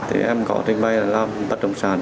thì em có trình bày làm bất động sản